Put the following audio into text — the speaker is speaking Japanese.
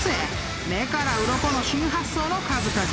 ［目からうろこの新発想の数々］